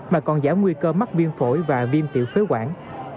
mà còn giảm nguy cơ mắc viêm phổi và viêm tiểu phế quản